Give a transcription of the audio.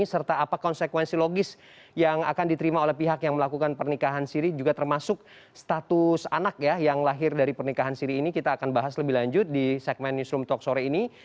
serta apa konsekuensi logis yang akan diterima oleh pihak yang melakukan pernikahan siri juga termasuk status anak ya yang lahir dari pernikahan siri ini kita akan bahas lebih lanjut di segmen newsroom talk sore ini